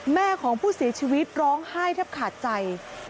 แม่ของผู้เสียชีวิตร้องไห้แทบขาดใจ